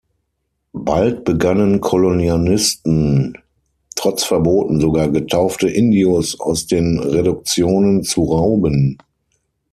Bald begannen Kolonialisten, trotz Verboten, sogar getaufte Indios aus den Reduktionen zu rauben.